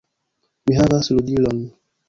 Mi havas ludilon!